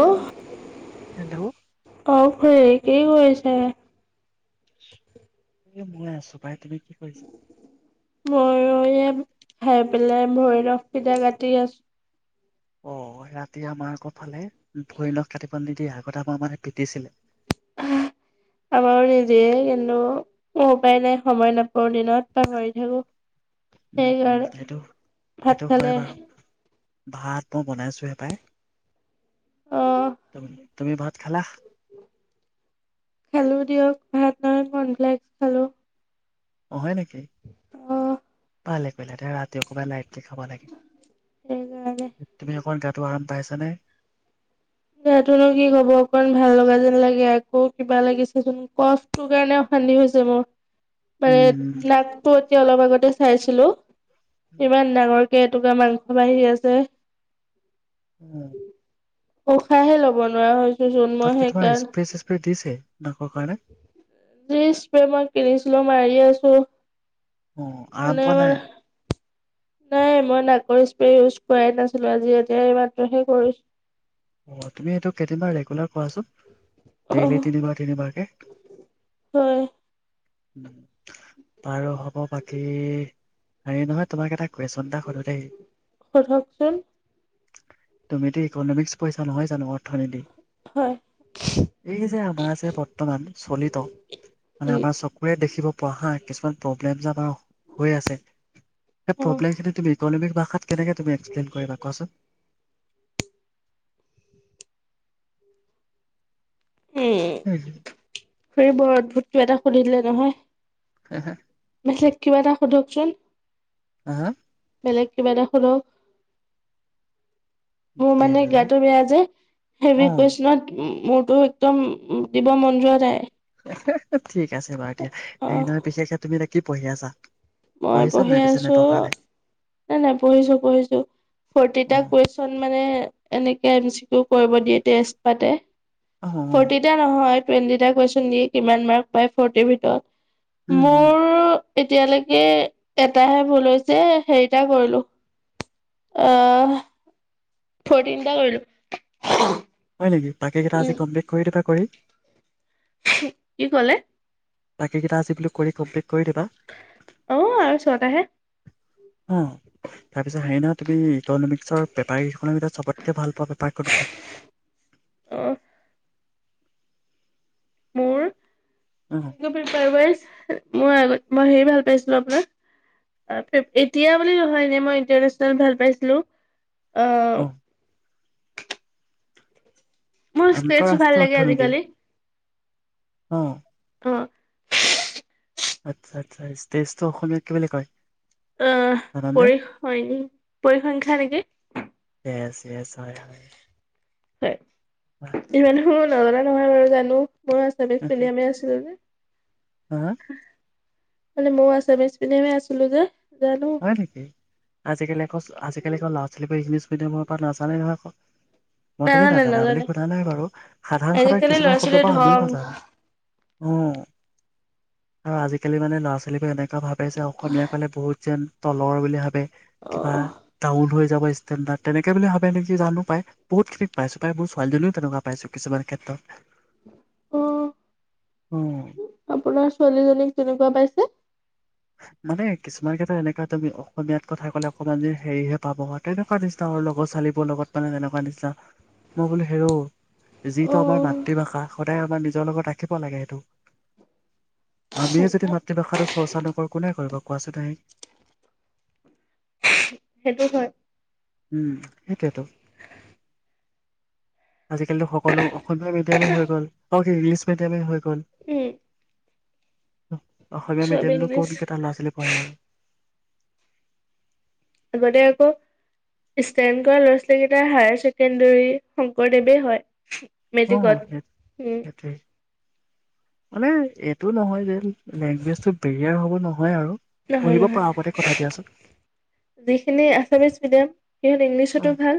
অ', hello! অ, খুৰি কি কৰিছে? এ, মই আছো পাই। তুমি কি কৰিছা? মইয়ো এয়া খাই পেলাই, ভৰিৰ নখকেইটা কাটি আছো। অ, ৰাতি আমাৰ আগৰ ফালে ভৰি নখ কাটিব নিদিয়ে, আগতে আমাৰ মানে পিটিছিলে। [inaudible] আমাৰো নিদিয়ে, কিন্তু মোৰ উপায় নাই সময় নাপাওঁ দিনত, পাহৰি থাকো। উম, উম, সেইকাৰণে সেইটো ভাত সেইটো হয় খালে? বাৰু। ভাত মই বনাইছো হে পাই। অ', তুমি ভাত খালা? খালো দিয়ক। ভাত নহয় কৰ্ণফ্লেক্স খালো। অ, হয় নেকি! অ', ভালে কৰিলা দিয়া, ৰাতি অকমান লাইটকে খাব লাগে। সেইকাৰণে। তুমি অকণ গাট আৰাম পাইছানে? গাটোনো কি হ'ব অকমান ভাল লগা যেন লাগে আকৌ কিবা লাগিছেচোন কফ টো কাৰণে অশান্তি হৈছে মোৰ। [inaudible] মানে নাকটো এতিয়া অলপ আগতে চাইছিলো, ইমান ডাঙৰ কে এটুকুৰা মাংস বাঢ়ি আছে। উম',। উশাহে ল'ব নোৱাৰা হৈছো। চোন মই তাত কি তোমাৰ সেইকাৰ স্প্ৰে চিচপ্ৰে দিছে নাকৰ কাৰণে? স্প্ৰে মই কিনিছিলো মাৰি আছো। অ', মানে আৰাম পোৱা আমাৰ নাই। নাই মই নাকৰ স্প্ৰে ইউজ কৰাই নাছিলো, আজি এতিয়া এইমাত্ৰ হে কৰিছো। অ', তুমি এইটো কেইদিনমান ৰেগুলাৰ কৰাচোন। ডেইলি অহ তিনিবাৰ তিনিবাৰকে। হয় বাৰু হ'ব বাকী, হেৰি নহয় তোমাক এটা কুৱেচন এটা সুধো দেই, সোধকচোন তুমিতো ইকনমিক্স পঢ়িছা নহয় জানো অৰ্থনীতি? হয় এই যে আমাৰ যে বৰ্তমান চলিত, মানে উম আমাৰ চ' চকুৰে দেখিব পোৱা হা কিছুমান প্ৰব্লেম যে আমাৰ হৈ আছে, সেই উম প্ৰব্লেম খিনি তুমি ইনমিক ভাষাত কেনেকৈ তুমি এক্সপ্লেন কৰিবা কোৱাচোন? [inaudible] তুমি বৰ অদ্ভূটো এটা সুধিলে নহয়। হে' হে'। বেলেগ কিবা এটা সোধকচোন। হ হা বেলেগ কিবা এটা সোধক। মোৰ মানে বেলেগ গাটো বেয়া যে, অ হেভী কুৱেচনত মুৰতো একদম দিব মন যোৱা যাই। ঠিক আছে বাৰু দিয়া, অ হেৰি নহয় পিছে তুমি এতিয়া কি পঢ়ি আছা? মই পঢ়িছা পঢ়ি নাই পিছে আছো নেটৰ কাৰণে এ' নাই পঢ়িছো পঢ়িছো অ ফৰ্টিটা কুৱেচ মানে এনেকে এম চি কিউ কৰিব দিয়ে টেষ্ট পাতে, অ অ ফৰ্টি টা নহয় টুৱেণ্টিটা কুৱেচন দিয়ে কিমান মাৰ্ক পায় ফৰ্টিৰ ভিতৰত, উম উম মোৰ এতিয়ালৈ কে এটাহে ভুল হৈছে হেৰিটা কৰিলো, আহ ফৰ্টিনটা কৰিলো। হয়', নেকি বাকীকেইটা উম আজি কমপ্লিট কৰি দিবা কৰি? কি কলে? বাকী কেইটা আজি বোলো কৰি কমপ্লিট কৰি দিবা। অ আৰু ছটাহে অ',। তাৰপিছত হেৰি নহয়, তুমি ইনমিক্সৰ পেপাৰকেইখনৰ ভিতৰত চবতকৈ ভাল পোৱা পেপাৰ কোনখন? অ',। মোৰ, অ', মই হেই ভাল পাইছিলো আপোনাৰ এতিয়া বুলি নহয় এনে মই ইণ্টাৰনেচনেল ভাল পাইছিলো অ' মোৰ ইষ্টেছো ভাল আন্তঃৰাষ্ট্ৰীয় লাগে অৰ্থনীতি আজিকালি। অ',। উম আচ্ছা আচ্ছা ষ্টেজটো অসমীত কি বুলি কয়। অ জানানে? পৰিস সং পৰিসংখ্যা নেকি। এছ এছ হয় হয়। হয় ইমান নজনা নহয় বাৰু জানো মই। [unintelligible] হা মানে মই আছামিছ মিডিয়ামৰ আছিলিলো যে জানো। হয় নেকি আজিকালি আজিকালি একৌ ল'ৰা ছোৱালীবোৰ ইংলিছ মিডিয়ামৰ পৰাত নাজানে নহয়। মই তুমি নাজানে নাজানা বুলি নাজানে। সোধা নাই বাৰু সাধাৰণ সদ আজিকালি কিছুমান ল'ৰা শব্দ পা ছোৱালীয়ে আমিও ধৰ্ম নাজানোঁ। অ আৰু আজিকালি মানে ল'ৰা ছোৱালীবোৰ এনেকুৱা ভাৱে যে অসমীয়া কলে বহুত যেন তলৰ বুলি ভাবে কিবা অ', ডাউন হৈ যাব। তে তেনেকৈ বুলি ভাৱে নেকি জানো পায়। বহুত খিনি পাইছো পাই মোৰ ছোৱালীজনও তেনেুৱা পাইছো কিছুমান ক্ষেত্ৰত। অ', অ আপোনাৰ ছোৱালীজনীক কেনেকুৱা পাইছে। মানে কিছুমান [unintelligible] এনেকুৱা তুমি অসমীয়াত কথা ক'লে অকণমান যে হেৰিহে পাব হয়। তেনেকুৱা নিছিনা আৰু লগৰ ছোৱালীবোৰৰ লগত মানে তেনেকুৱা নিচা মই বোলো হেৰঁও। যিটো আমাৰ অ', মাতৃভাষা সদায় আমাৰ নিজৰ লগত ৰাখিব লাগে সেইটো। আমিয়ে যদি মাতৃভাষাটো চৰ্চা নকৰো কোনে কৰিব কোৱাচোন ন হে। সেইটো হয়। উম সেইটোৱেতো। [inaudible] আজিকালিতো সকলো অসমীয়া মিডিয়ামেই হৈ গ'ল ইংলিছ মিডিয়ামেই হৈ গ'ল। উম অসমীয়া চব মিডিয়ামতটো ক'ত ইংলিছ এটা ল'ৰা ছোৱালী পঢ়ে আৰু। আগতে আকৌ। ষ্টেণ্ড কৰা ল'ৰা ছোৱালীকেইটাৰ হায়াৰ ছেকেণ্ডৰী শংকৰদেৱে হয়। অ মেট্ৰিকত সেই উম। সেইটোৱে মানে এইটো নহয় যে লেংগুৱেজ টো বেৰিয়াৰ হ'ব নহয় আৰু। নহয় পঢ়িব নহয় পাৰা আগতে কথা দিয়াচোন। যিখিনি আছামিছ মিডিয়াম সেইহত অ ইংলিছতো ভাল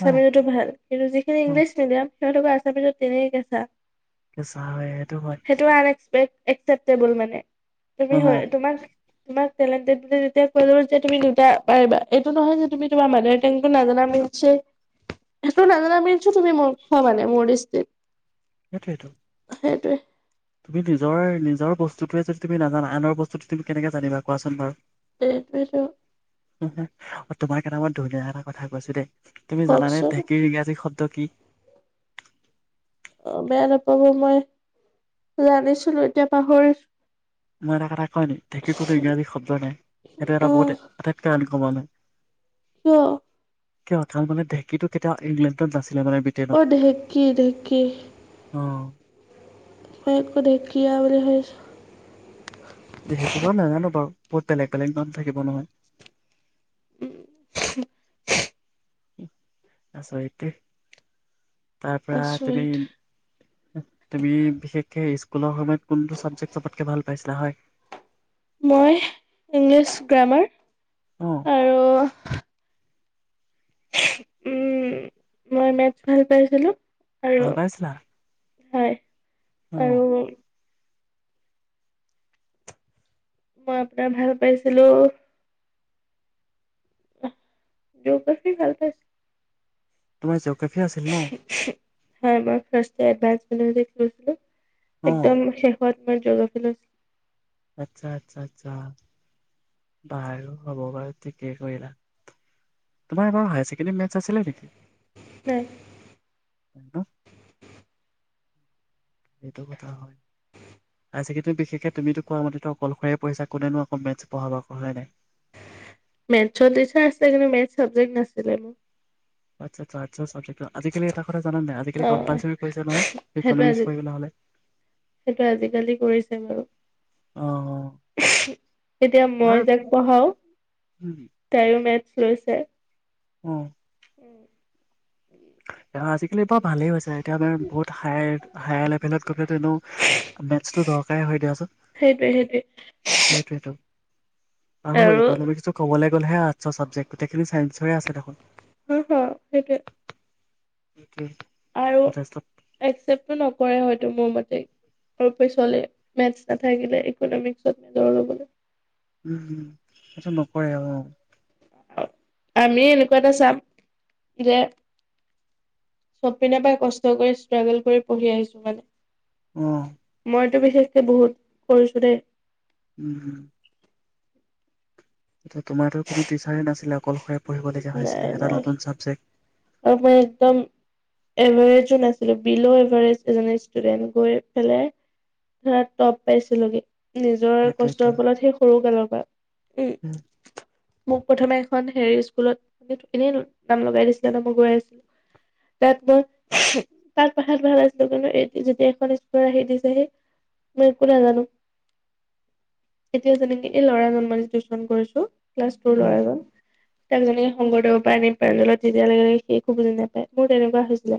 অ ভাল কিন্তু যিখিনি অ ইংলিছ মিডিয়াম সিহতক আছামিছ পিছত তেনেই কেছা। চা হয় সেইটো হয়। সেইটো আন এক্সে এক্সেটেবোল মানে তুমি অ হয়। তোমাক [unintelligible] যে তুমি দুটা পাৰিবা এইটো নহয় যে তুমি তোমাৰ মাদোৰ টেংকো নাজানা মিছে। এটো নাজানা মিলছ তুমি মোৰ খোৱা মানে মোৰ দিস্তীত। সেইটোএই টো। সেইটোৱে। তুমি নিজৰ নিজৰ বস্তুটোৱে যদি তুমি নাজানা আনৰ বস্তুটো তুমি কেনেকে জানিবা কোৱাচোন বাৰু। এটোৱেই টো। তোমাক এটা মই ধুনীয়া এটা কথা কৈছো দেই তুমি জানানে কওকচোন ঢেঁকীৰ ইংৰাজী শব্দ শব্দ কি। অ বেয়া নাপাব মই জানিছিলো এতিয়া পাহৰি মই এটা কথা কয় ন ঢেঁকীৰ কোনো ইংৰাজী শব্দ নাই সেইটো অ এটা বহুত আটাইতকৈ এনেক মানুহ হয় [unintelligible] কিয়? কিয় ধান বনা ঢেঁকীতো কেতিয়াও ইংলেণ্ডত নাছিলে মানে বি অ', ঢেঁকী ঢেঁকী। অ'। মই আকৌ ঢেকীয়া বুলি ভাবিছোঁ। সেইবোৰ বাৰু নাজানো বাৰু, বহুত বেলেগ, বেলেগ নাম থাকিব নহয়। আচৰিত দেই, তাৰ পৰা তুমি আচৰিত তুমি বিশেষকে স্কুলৰ সময়ত কোনটো ছাবজেক্ট চবতকে ভাল পাইছিলা হ'য়? মই, ইংলিছ গ্ৰামাৰ। অ'। আৰু উম, মই মেথছ ভাল পাইছিলো, আৰু ভাল পাইছিলা হয়, অ আৰু মই আপোনাৰ ভাল পাইছিলো জিঅ'গ্ৰাফি ভাল পাইছিলো। তোমাৰ জিঅ'গ্ৰাফি আছিল ন? হয়, এবাৰ ফাৰ্ষ্ট ইয়েৰ অ [unintelligible] একদম শেষ ত মই জিঅ'গ্ৰাফি লৈছোঁ। আচ্ছা আচ্ছা আচ্ছা, বাৰু হ'ব বাৰু, ঠিকেই কৰিলা। তোমাৰ আগৰ হায়াৰ ছেকেণ্ডাৰী মেথছ আছিল নেকি? নাই। [inaudible] এইটো কথা হ'য় হায়াৰ ছেকেণ্ডাৰীটো বিশেষকে তুমিতো কোৱা মতে অকলশৰে পঢ়িছা, কোনেনো মেথছ পঢ়াব আক' হয় নে নাই? মেথছৰ টিচাৰ আছে, কিন্তু মেথছ চাবজেক্ট নাছিলে মোৰ। আচ্ছা আচ্ছা [unintelligible] ত আজিকালি এটা কথা জানা নে নাই, অ আজিকালি কমপালচৰী কৰিছে নহয়, সেইটো ইকনমিক্স আজি কৰিবলৈ হ'লে। সেইটো আজিকালি কৰিছে বাৰু। অ এতিয়া বাৰু মই যাক পঢ়াও, উম, তাইও মেথছ লৈছে। উম। [inaudible] আজিকালি বাৰু ভালেই হৈছে, এতিয়া আমি বহুত হায়, হায়াৰ লেভেলত গৈ পেলাই তো এনেওঁ মেথছটো দৰকাৰেই হৈ দিয়াচোন, সেইটোৱে সেইটোৱে সেইটোৱেইটো। আৰু ইকনমিক্সটো কবলৈ গ'লেহে আৰ্টছৰ চাবজেক্ট, গোটেইখিনি চাইঞ্চৰে আছে দেখোন। সেইটোৱে, সেইটোৱে। [unintelligible] আৰু, যথেষ্ট একচেপ্টটো নকৰে হ'য়তো মোৰ মতে। [unintelligible] পিছলে মেথছ নাথাকিলে ইকনমিক্সত মেজৰ ল'বলৈ। উম উম, সেইটো নকৰে অ'। আমি এনেকুৱা এটা চাব, যে চব পিনে পৰাই কষ্ট কৰি ষ্ট্ৰাগল কৰি পঢ়ি আহিছো মানে। অ'। মইতো বিশেষকে বহুত কৰিছো দেই। উম হম। এতিয়া তোমাৰতো কোনো টিচাৰে নাছিলে, অকলশৰে পঢ়িবলগীয়া হৈছিলে, এটা নতুন চাবজেক্ট। তাৰোপৰি একদম এভাৰেজো নাছিলো বিল' এভাৰেজ এজনী ষ্টুডেন্ট গৈ পেলাই ধৰা টপ পাইছিলোগে নিজৰ সেইটোৱেটো কষ্টৰ বলত সেই সৰু কালৰ পৰা। উম [inaudible] মোক প্ৰথমে এখন হেৰি স্কুলত মানে এনেই নাম লগাই দিছিলে ন' মই গৈ আছিলো। তাত মোৰ তাত পঢ়াত ভাল আছিলো কিন্তু এ যেতিয়া এইখন স্কুলত আহি দিছেহি। মই একো নাজানো, এতিয়া যেনেকে এই ল'ৰা জন টিউচন কৰিছো। ক্লাছ [unintelligible] উম, ল'ৰাজন ইয়াক যেনেকৈ শংকৰদেৱৰ পৰা আনি প্ৰাইভেটত তেতিয়া লগে লগে সি একো বুজি নাপায়, মোৰ তেনেকুৱা হৈছিলে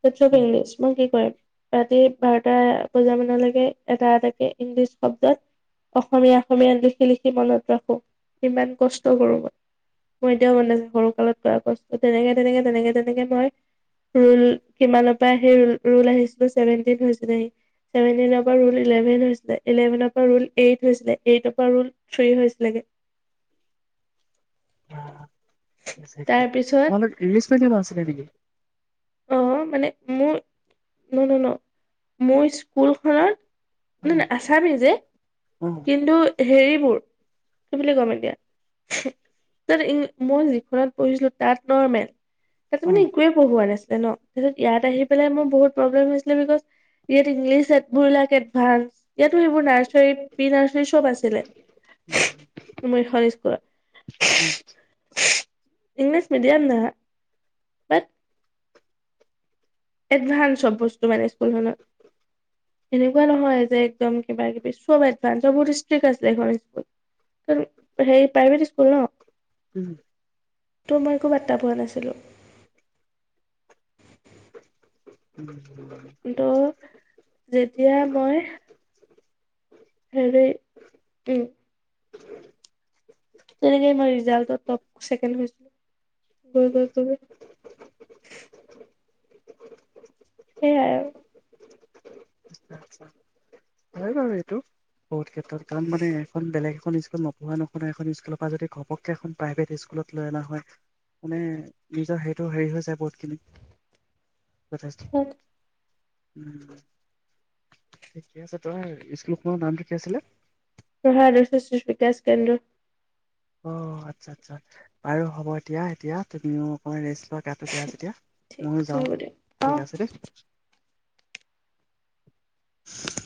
তাত চব উম। ইংলিছ মই কি কৰিম। ৰাতি বাৰটা বজা মানলৈকে এটা এটাকে ইংলিছ শব্দত অসমীয়া, অসমীয়াত লিখি লিখি মনত ৰাখো ইমান কষ্ট কৰো মই। মোৰ এতিয়াও মন আছে, সৰু কালত কৰা কষ্ট তেনেকে তেনেকে তেনেকে তেনেকে মই ৰোল কিমানৰ পৰা সেই ৰোল আহিছিলো ছেভেনটিন হৈছিলেহি। ছেভেনটিনৰ পৰা ৰোল ইলেভেন হৈছে। ইলেভেনৰ পৰা ৰোল এইট হৈছিলে, এইটৰ পৰা ৰোল থ্ৰী হৈছিলে। তোমালোক তাৰপিছত ইংলিছ মিডিয়াম আছিলে নেকি? অ', মানে মোৰ ন, ন, ন, মোৰ স্কুলখনত অ নাই নাই আছামিজেই অ কিন্তু হেৰি বোৰ। কি বুলি কম এতিয়া, মই যিখনত পঢ়িছিলো তাত নৰ্মেল। তাত অ মানে একোৱে পঢ়োৱা নাছিলে ন', তাৰ পিছত ইয়াত আহি পেলাই মোৰ বহুত প্ৰব্লেম হৈছিলে, বিকজ ইয়াত ইংলিছ এবোৰলাক এডভানস ইয়াতো সেইবোৰ নাৰ্চাৰী পি নাৰ্চাৰী চব আছিলে। উম, মোৰ এখন স্কুলত অ'। ইংলিছ মিডিয়াম নহয়। বাট এডভান্স চব বস্তু মানে স্কুলখনত। এনেকুৱা নহয় যে, একদম কিবা কিবি চব এডভান্স বহুত ষ্ট্ৰিক্ট আছিল এইখন স্কুল। কাৰণ সেই প্ৰাইভেট স্কুল ন'! উম। তো মই একো পাত্তা পোৱা নাছিলোঁ। উম। কিন্তু যেতিয়া মই হেৰী উম। তেনেকেই মই ৰিজাল্টত টপ ছেকেণ্ড হৈছিলো গৈ, গৈ, গৈ সেয়াই আৰু। আচ্ছা। [unintelligible] বাৰু এইটো। বহুত ক্ষেত্ৰত কাৰণ মানে এখন বেলেগ এখন স্কুল নপঢ়া নশুনা এখন স্কুলৰ পৰা যদি ঘপক কে এখন প্ৰাইভেট স্কুলত লৈ অনা হয়, মানে নিজৰ হেৰিটো হেৰি হৈ যায় বহুতখিনি। যথেষ্ট [unintelligible] ঠিকে আছে, তাৰ স্কুলখনৰ নামটো কি আছিলে? [unintelligible] অ', আচ্ছা আচ্ছা, বাৰু হ'ব এতিয়া এতিয়া তুমিও অ', ৰেষ্ট লোৱা গাটো বেয়া যেতিয়া, ঠিক ময়ো আছে যাওঁ হ'ব দিয়ক ঠিক অ'। আছে দেই। [inaudible]